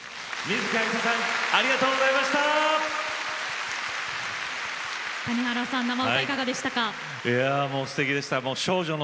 生歌いかがでしたか。